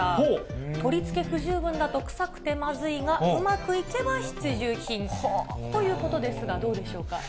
取り付け不十分だと臭くてまずいが、うまくいけば必需品ということですが、どうでしょうか。